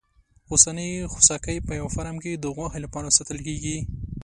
اوسنی خوسکی په یوه فارم کې د غوښې لپاره ساتل کېږي.